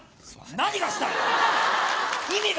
何がしたいの？